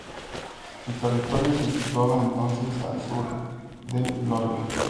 Su territorio se situaba entonces al sur del Loira.